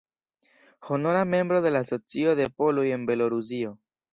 Honora membro de la Asocio de poloj en Belorusio.